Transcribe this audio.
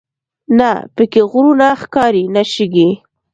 نه په کې غرونه ښکاري نه شګې.